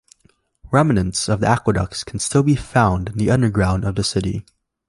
Remnants of the aqueducts can still be found in the underground of the city.